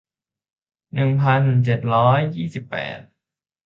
หนึ่งพันเจ็ดร้อยยี่สิบแปด